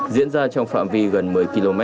diễn ra trong phạm vi gần một mươi km